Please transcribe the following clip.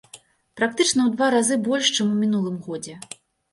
Практычна ў два разы больш, чым у мінулым годзе.